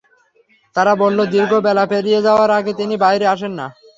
তারা বলল, দীর্ঘ বেলা পেরিয়ে যাওয়ার আগে তিনি বাইরে আসেন না।